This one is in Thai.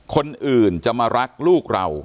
คนอื่นจะมารักลูกเรา